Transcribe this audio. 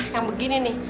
yang begini nih